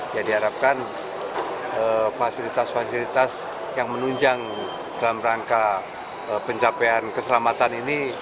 jadi harapkan fasilitas fasilitas yang menunjang dalam rangka pencapaian keselamatan ini